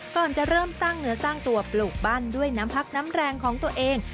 ก่อนจะเริ่มสร้างเนื้อสร้างตัวปลูกบ้านด้วยน้ำพักน้ำแรงของตัวเอง